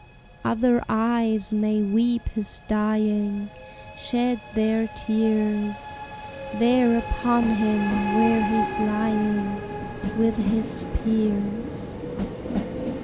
Other eyes may weep his dying, Shed their tears There upon him, where he's lying With his peers.